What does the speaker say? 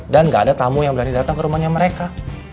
dan gak ada tamu yang berani datang ke rumahnya mereka